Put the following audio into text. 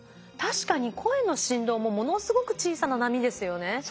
確かに声の振動もものすごく小さな波ですよね。